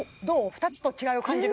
２つと違いを感じる？